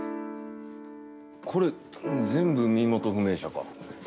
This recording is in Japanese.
これ全部、身元不明者か？